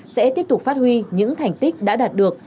sẽ tiếp tục phát huy những thành tích đã đạt được